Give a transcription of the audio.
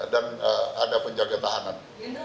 dan ada penjaga tahanan